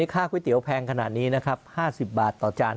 ค่าก๋วยเตี๋ยวแพงขนาดนี้นะครับ๕๐บาทต่อจาน